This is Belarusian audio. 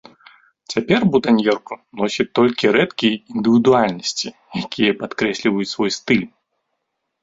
Цяпер бутаньерку носяць толькі рэдкія індывідуальнасці, якія падкрэсліваюць свой стыль.